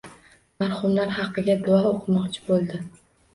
Marhumlar haqiga duo o‘qimoqchi bo‘ldi.